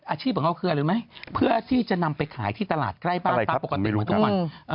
อาชีพของเขาคืออะไรรู้ไหมเพื่อที่จะนำไปขายที่ตลาดใกล้บ้านตามปกติเหมือนทุกวัน